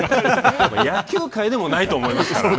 野球界でもないと思いますからね。